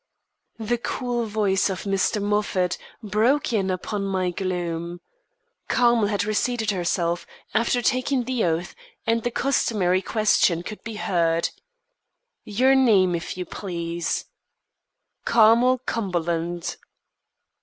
The cool voice of Mr. Moffat broke in upon my gloom. Carmel had reseated herself, after taking the oath, and the customary question could be heard: "Your name, if you please." "Carmel Cumberland."